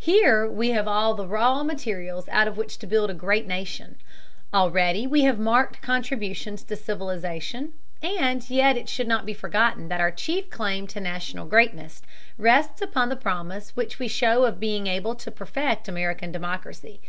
Here we have all the raw materials out of which to build a great nation. Already we have made marked contributions to civilization, and yet it should not be forgotten that our chief claim to national greatness rests upon the promise which we show of being able to perfect American democracy.